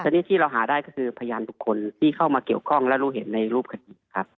ขณะนี้ที่เราหาได้ก็คือพยานอุทธิ์ทุกคนที่เข้ามาเกี่ยวก้องและลูกเห็นในรูปคติ